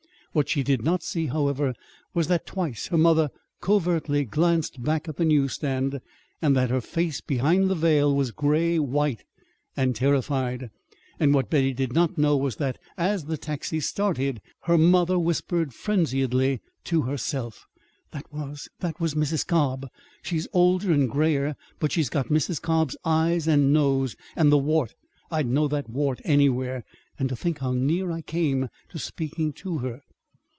What she did not see, however, was that twice her mother covertly glanced back at the newsstand, and that her face behind the veil was gray white and terrified. And what Betty did not know was that, as the taxi started, her mother whispered frenziedly to herself: "That was that was Mrs. Cobb. She's older and grayer, but she's got Mrs. Cobb's eyes and nose. And the wart! I'd know that wart anywhere. And to think how near I came to speaking to her!"